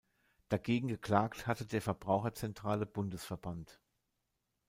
Dagegen geklagt hatte der Verbraucherzentrale Bundesverband.